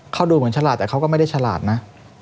เขาดูเหมือนฉลาดแต่เขาก็ไม่ได้ฉลาดนะ